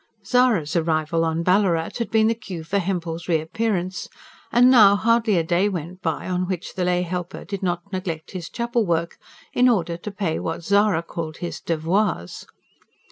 Zara's arrival on Ballarat had been the cue for Hempel's reappearance, and now hardly a day went by on which the lay helper did not neglect his chapel work, in order to pay what Zara called his "DEVOIRS."